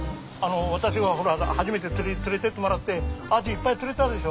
私がほら初めて釣りに連れてってもらってアジいっぱい釣れたでしょ。